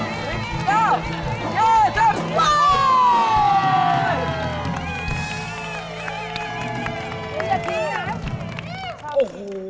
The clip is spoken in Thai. โอ้โฮ